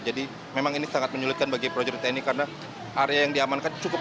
jadi memang ini sangat menyulitkan bagi proyek tni karena area yang diamankan cukup